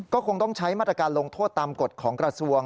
ก็คงต้องใช้มาตรการลงโทษตามกฎของกระทรวง